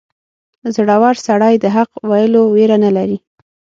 • زړور سړی د حق ویلو ویره نه لري.